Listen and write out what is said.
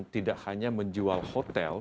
tidak hanya menjual hotel